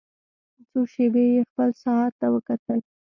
څو شېبې يې خپل ساعت ته وکتل.